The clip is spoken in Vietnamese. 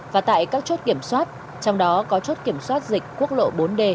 và tại các chốt kiểm soát trong đó có chốt kiểm soát dịch quốc lộ bốn d